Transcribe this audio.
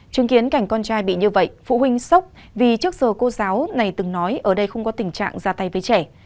chứng kiến cảnh con trai bị như vậy phụ huynh sốc vì trước giờ cô giáo này từng nói ở đây không có tình trạng ra tay với trẻ